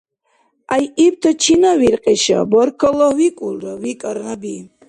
— ГӀяйибта чина виркьиша, баркалла викӀулра, — викӀар Наби.